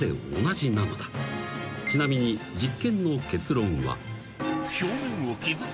［ちなみに実験の結論は］